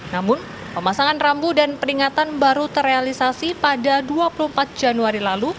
namun pemasangan rambu dan peringatan baru terrealisasi pada dua puluh empat januari lalu